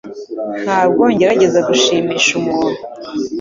Ntabwo ngerageza gushimisha umuntu